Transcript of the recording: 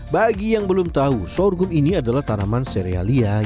bagi yang belum tahu sorghum ini adalah tanaman serealia yang berasal dari tanaman